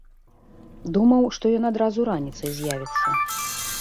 Думаў, што ён адразу раніцай з'явіцца.